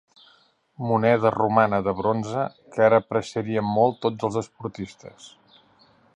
Moneda romana de bronze que ara apreciarien molt tots els esportistes.